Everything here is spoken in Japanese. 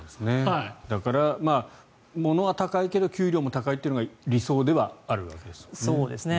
だから、物は高いけど給料も高いのが理想ではあるわけですね。